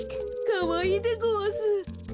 かわいいでごわす。